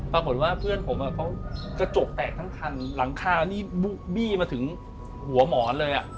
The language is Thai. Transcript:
ปรากฏว่าเพื่อนผมเขากระจกแตกทั้งคันหลังคานี่บี้มาถึงหัวหมอนเลย